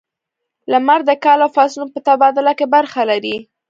• لمر د کال او فصلونو په تبادله کې برخه لري.